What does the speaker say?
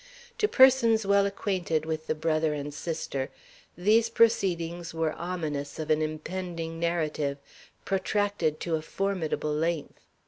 To persons well acquainted with the brother and sister these proceedings were ominous of an impending narrative, protracted to a formidable length.